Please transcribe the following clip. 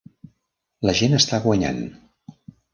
La gent està guanyant.